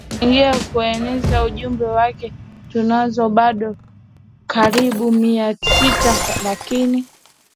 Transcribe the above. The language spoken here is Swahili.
zimechangia kueneza ujumbe wake Tunazo bado karibu Mia sita lakini